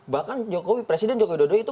bahkan jokowi presiden jokowi dodo itu